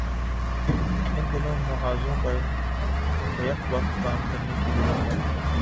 ان دونوں محاذوں پر بیک وقت کام کرنے کی ضرورت ہے۔